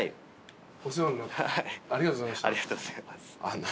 ありがとうございます。